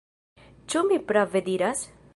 Ĉu mi prave diras?